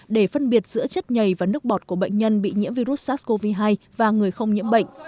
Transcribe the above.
để phân biệt giữa chất nhầy và nước bọt của bệnh nhân bị nhiễm virus sars cov hai và người không nhiễm bệnh